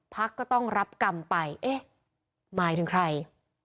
พักก็ต้องรับกรรมไปเอ๊ะหมายถึงใคร